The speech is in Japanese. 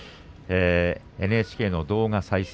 ＮＨＫの動画再生